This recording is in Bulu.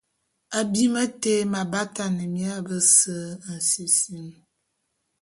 Abim té m’abatane mia bese nsisim.